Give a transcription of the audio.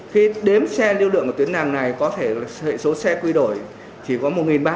khi đếm xe lưu lượng của tuyến đường này có thể là hệ số xe quy đổi chỉ có một ba trăm linh